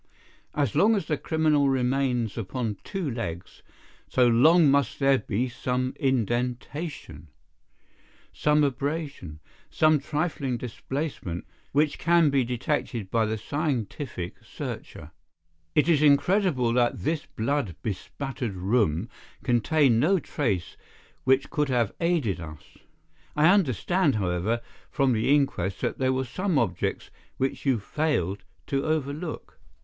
As long as the criminal remains upon two legs so long must there be some indentation, some abrasion, some trifling displacement which can be detected by the scientific searcher. It is incredible that this blood bespattered room contained no trace which could have aided us. I understand, however, from the inquest that there were some objects which you failed to overlook?"